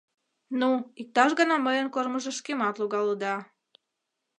Ну, иктаж гана мыйын кормыжышкемат логалыда!